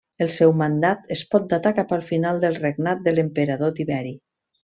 El seu mandat es pot datar cap al final del regnat de l'emperador Tiberi.